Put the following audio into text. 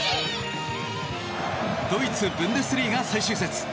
ドイツ・ブンデスリーガ最終節。